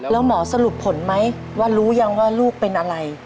แล้วหมอสรุปผลไหมว่ารู้ยังว่าลูกเป็นอะไร